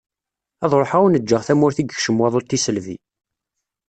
Ad ruḥeγ ad awen-ğğeγ tamurt i yekcem waḍu n tisselbi.